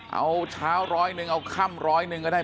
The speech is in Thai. เอาเช้าร้อยหนึ่งเอาค่ำร้อยหนึ่งก็ได้